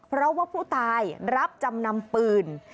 เพราะว่าผู้ตายรับจำนำปืน